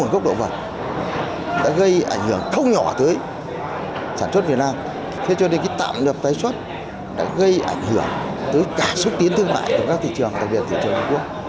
không nhỏ tới sản xuất việt nam thế cho nên cái tạm nhập tái xuất đã gây ảnh hưởng tới cả sức tiến thương mại của các thị trường đặc biệt thị trường nước quốc